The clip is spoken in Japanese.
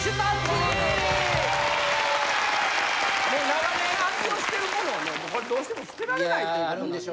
長年愛用してる物をどうしても捨てられないということなんで。